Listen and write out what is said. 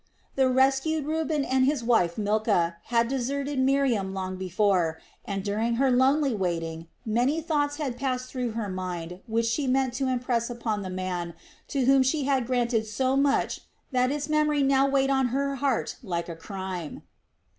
The rescued Reuben and his wife Milcah had deserted Miriam long before and, during her lonely waiting, many thoughts had passed through her mind which she meant to impress upon the man to whom she had granted so much that its memory now weighed on her heart like a crime.